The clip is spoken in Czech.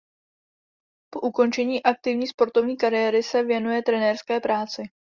Po ukončení aktivní sportovní kariéry se věnuje trenérské práci.